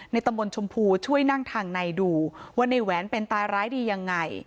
ตำบลชมพูช่วยนั่งทางในดูว่าในแหวนเป็นตายร้ายดียังไง